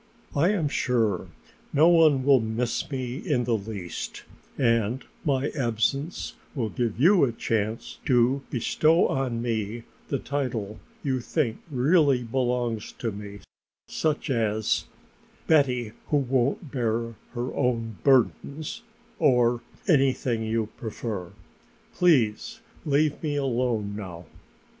"I am sure no one will miss me in the least and my absence will give you a chance to bestow on me the title you think really belongs to me, such as: 'Betty who won't bear her own burdens' or anything you prefer. Please leave me alone now."